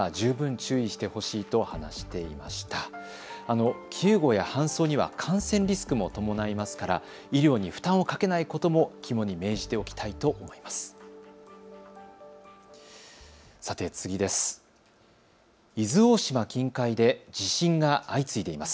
救護や搬送には感染リスクも伴いますから医療に負担をかけないことも肝に銘じておきたいと思います。